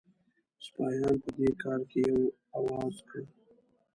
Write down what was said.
سپاهیان په دې کار کې یو آواز کړه.